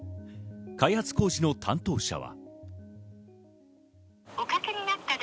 開発工事の担当者は。